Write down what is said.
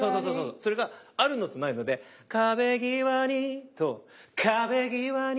それがあるのとないので「壁ぎわに」と「壁ぎわに」。